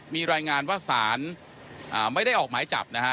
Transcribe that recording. มีรายงานว่าศาลไม่ได้ออกหมายจับนะฮะ